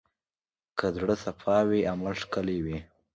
که زړه صفا وي، عمل ښکلی وي.